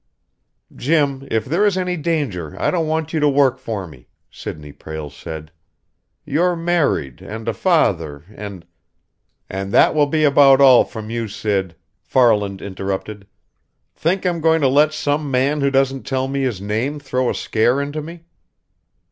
"Jim, if there is any danger, I don't want you to work for me," Sidney Prale said. "You're married and a father and " "And that will be about all from you, Sid!" Farland interrupted. "Think I'm going to let some man who doesn't tell me his name throw a scare into me?"